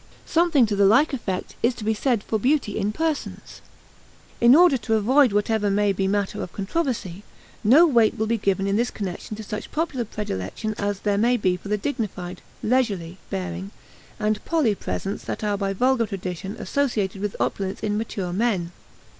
Something to the like effect is to be said for beauty in persons. In order to avoid whatever may be matter of controversy, no weight will be given in this connection to such popular predilection as there may be for the dignified (leisurely) bearing and poly presence that are by vulgar tradition associated with opulence in mature men.